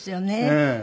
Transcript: ええ。